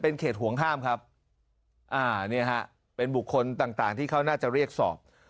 เขตห่วงห้ามครับอ่านี่ฮะเป็นบุคคลต่างต่างที่เขาน่าจะเรียกสอบ